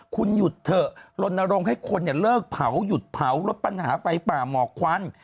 คุณหยุดเถอะลนรงค์ให้คนเลิกเผาหยุดเผาลดปัญหาไฟป่าหมอกควัน